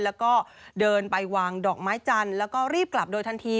แล้วก็เดินไปวางดอกไม้จันทร์แล้วก็รีบกลับโดยทันที